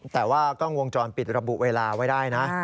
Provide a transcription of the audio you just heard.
แต่ว่ากล้องวงจรปิดระบุเวลาไว้ได้นะ